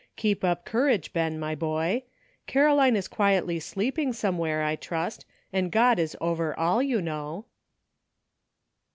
Keep up courage, Ben, my boy; Caroline is quietly sleeping somewhere, I trust, and God is over all, you know."